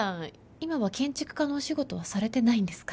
今は建築家のお仕事はされてないんですか？